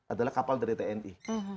adalah kapal dari tni